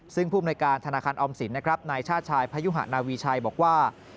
ซึ่งผู้อำนวยการธนาคารออมสินนะครับนายชาติชายพยุหะนาวีชัยบอกว่า